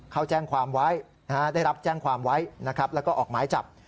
เขาได้รับแจ้งความไว้แล้วก็ออกไม้จับ